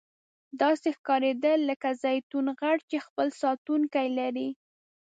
داسې ښکاریدل لکه زیتون غر چې خپل ساتونکي لري.